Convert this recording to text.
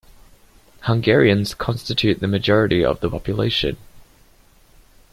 Hungarians constitute the majority of the population.